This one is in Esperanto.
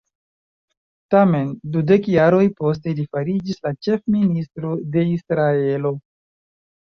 Tamen, dudek jaroj poste li fariĝis la ĉef-ministro de Israelo.